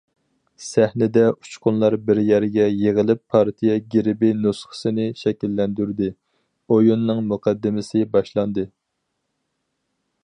سەھنىدە، ئۇچقۇنلار بىر يەرگە يىغىلىپ پارتىيە گېربى نۇسخىسىنى شەكىللەندۈردى، ئويۇننىڭ مۇقەددىمىسى باشلاندى.